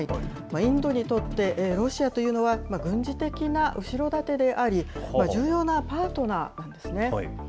インドにとってロシアというのは、軍事的な後ろ盾であり、重要なパートナーなんですね。